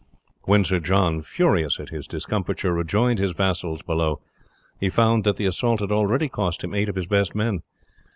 When Sir John, furious at his discomfiture, rejoined his vassals below, he found that the assault had already cost him eight of his best men.